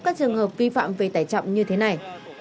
các trường hợp vi phạm về tải trọng như thế này